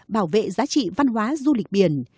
bảo vệ giá trị văn hóa du lịch biển